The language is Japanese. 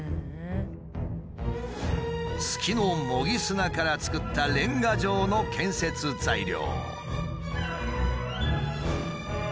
月の模擬砂から作ったレンガ状の建設材料。